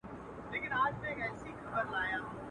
چي په رګونو کی ساه وچلوي.